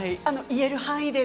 言える範囲で。